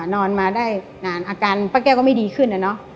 นอนมาได้นานอาการป้าแก้วก็ไม่ดีขึ้นนะเนอะ